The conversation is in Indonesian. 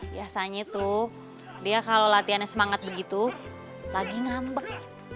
biasanya tuh dia kalau latihannya semangat begitu lagi ngambek